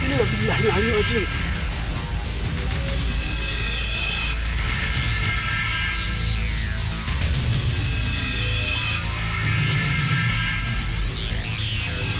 ini lebih baik alam lebih baik